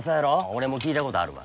俺も聞いた事あるわ。